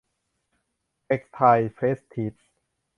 เท็กซ์ไทล์เพรสทีจ